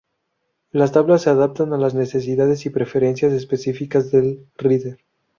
Las tablas se adaptan a las necesidades y preferencias específicas del rider.